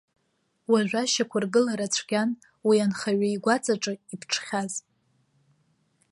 Уажәы ашьақәыргылара цәгьан уи анхаҩы игәаҵаҿы иԥҽхьаз.